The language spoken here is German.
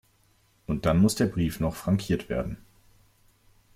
Und dann muss der Brief noch frankiert werden.